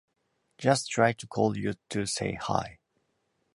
Just tried to call you to say hi.